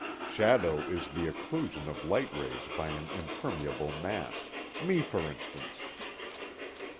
Shadow is the occlusion of light rays by an impermeable mass, me for instance.